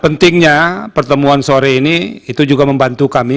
pentingnya pertemuan sore ini itu juga membantu kami